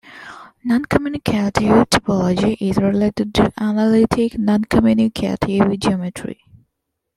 Noncommutative topology is related to analytic noncommutative geometry.